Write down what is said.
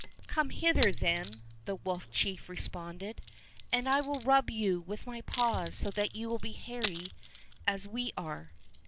"Come hither, then," the wolf chief re sponded, "and I will rub you with my paws so that you will be hairy as we are."